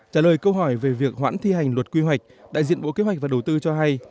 trả lời câu hỏi về việc hoãn thi hành luật quy hoạch đại diện bộ kế hoạch và đầu tư cho hay